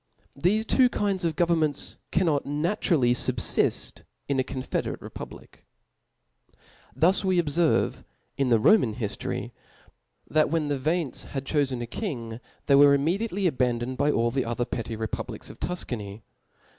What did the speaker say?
Thefe two kinds of government cannot naturally fubfift in a confederate republic. Thus i«8 THE S P I R>I T Book Thiis we obferve, in the Romah .hiftory, t\M ehap. '3. when the Veientes had chofen a king, they were igv mediately abandoned by all the other petty repub lics of Tufcany.